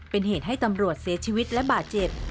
เป็นเหตุให้ตำรวจเสียชีวิตและบาดเจ็บ